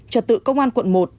trật tự công an quận một